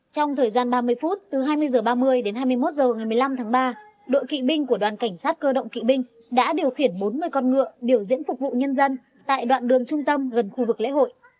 trong thời gian ba mươi phút từ hai mươi h ba mươi đến hai mươi một h ngày một mươi năm tháng ba đội kỵ binh của đoàn cảnh sát cơ động kỵ binh đã điều khiển bốn mươi con ngựa biểu diễn phục vụ nhân dân tại đoạn đường trung tâm gần khu vực lễ hội